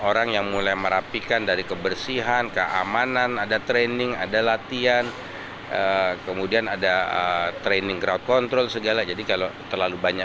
untuk di tempatkan di tempat parkir ini sudah mulai terlihat dengan berat dan berat yang tidak terlalu banyak